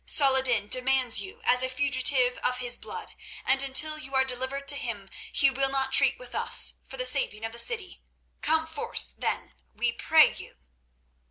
Saladin demands you as a fugitive of his blood, and until you are delivered to him he will not treat with us for the saving of the city. Come forth, then, we pray you."